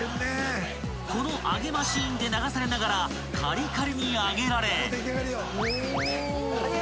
［この揚げマシンで流されながらカリカリに揚げられ］